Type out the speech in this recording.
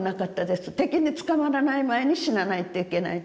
敵につかまらない前に死なないといけない。